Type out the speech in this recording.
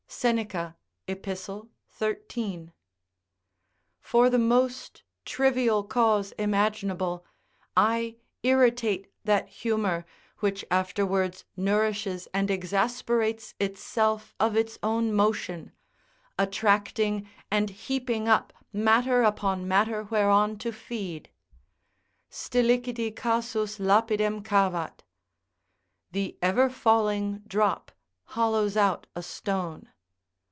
Seneca, Ep., 13.] for the most trivial cause imaginable, I irritate that humour, which afterwards nourishes and exasperates itself of its own motion; attracting and heaping up matter upon matter whereon to feed: "Stillicidi casus lapidem cavat:" ["The ever falling drop hollows out a stone."